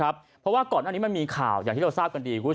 เพราะว่าก่อนหน้านี้มันมีข่าวอย่างที่เราทราบกันดี